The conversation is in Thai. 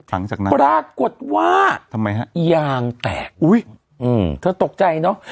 หลังจากนั้นปรากฏว่าทำไมฮะยางแตกอุ้ยเธอตกใจเนอะ